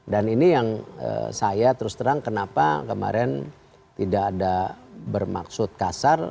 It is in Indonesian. ini yang saya terus terang kenapa kemarin tidak ada bermaksud kasar